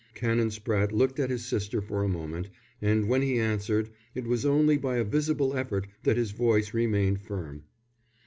Canon Spratte looked at his sister for a moment, and when he answered, it was only by a visible effort that his voice remained firm.